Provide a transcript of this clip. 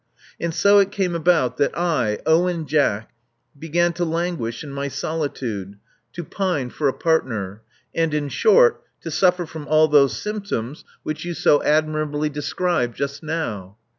And so it came about that I — Owen Jack — began to languish in my solitude; to pine for a partner; and, in short, to suffer from all those symptoms which you so Love Among the Artists 429 admirably described just now."